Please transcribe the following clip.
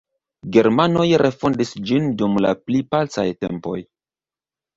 Germanoj refondis ĝin dum la pli pacaj tempoj.